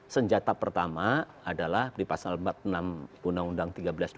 senjata pertama adalah di pasal empat puluh enam undang undang tiga belas dua ribu